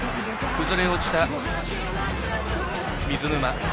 崩れ落ちた水沼。